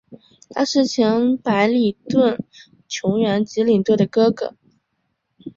他是前白礼顿球员及领队的哥哥。